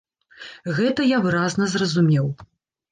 Гэта я выразна зразумеў.